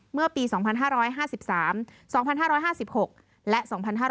เมื่อปี๒๕๕๓๒๕๕๖และ๒๕๕๙